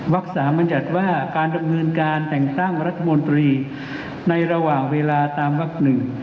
วักษามัญญัติว่าการดำเนินการแต่งตั้งรัฐมนตรีในระหว่างเวลาตามวักหนึ่ง